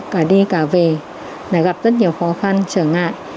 cả đi cả về gặp rất nhiều khó khăn trở ngại